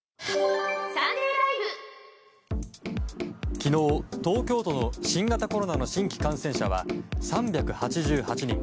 昨日、東京都の新型コロナの新規感染者は３８８人。